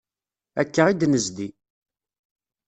Akka i d-nezdi.